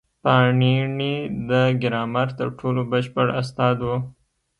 پاڼيڼى د ګرامر تر ټولو بشپړ استاد وو.